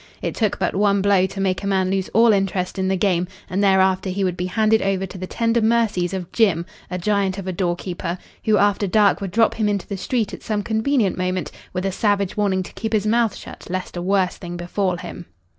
It took but one blow to make a man lose all interest in the game, and thereafter he would be handed over to the tender mercies of "Jim," a giant of a door keeper, who after dark would drop him into the street at some convenient moment, with a savage warning to keep his mouth shut lest a worse thing befall him.